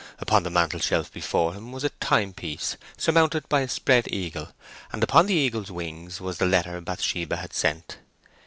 Upon the mantel shelf before him was a time piece, surmounted by a spread eagle, and upon the eagle's wings was the letter Bathsheba had sent.